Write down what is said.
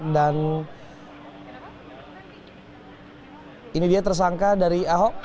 dan ini dia tersangka dari ahok